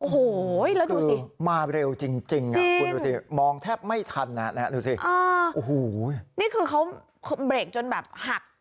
โอ้โหแล้วดูสิมาเร็วจริงคุณดูสิมองแทบไม่ทันดูสิโอ้โหนี่คือเขาเบรกจนแบบหัก